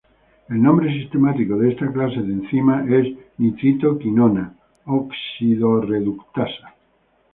El nombre sistemático de esta clase de enzimas es nitrito:quinona oxidorreductasa.